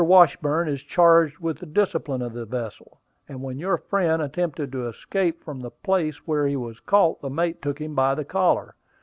Washburn is charged with the discipline of the vessel; and when your friend attempted to escape from the place where he was caught, the mate took him by the collar.